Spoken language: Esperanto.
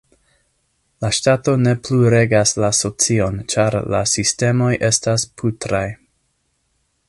La ŝtato ne plu regas la socion ĉar la sistemoj estas putraj.